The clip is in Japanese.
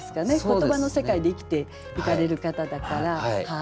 言葉の世界で生きていかれる方だから。